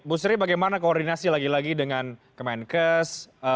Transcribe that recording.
bu sri bagaimana koordinasi lagi lagi dengan kemenkes